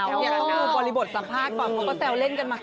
เห็นก็ต้องดูปริบทสัมภาษณ์ก่อนเพราะจะแซลเล่นกันก่อน